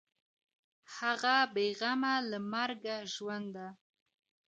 هغه بېغمه له مرګه ژونده